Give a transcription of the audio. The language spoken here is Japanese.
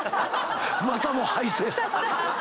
またも敗戦。